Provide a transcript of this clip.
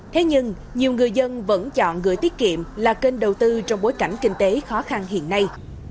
thế nhưng nhiều người dân vẫn chọn gửi tiết kiệm là kênh đầu tư trong bối cảnh kinh tế khó khăn hiện nay